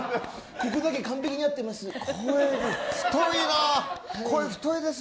ここだけ完璧に合ってます。